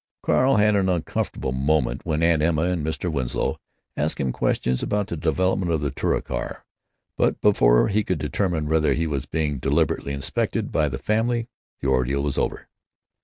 Carl had an uncomfortable moment when Aunt Emma and Mr. Winslow asked him questions about the development of the Touricar. But before he could determine whether he was being deliberately inspected by the family the ordeal was over.